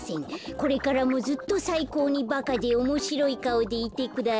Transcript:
これからもずっとさいこうにバカでおもしろいかおでいてください」っと。